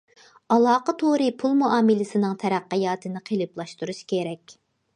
ئالاقە تورى پۇل مۇئامىلىسىنىڭ تەرەققىياتىنى قېلىپلاشتۇرۇش كېرەك.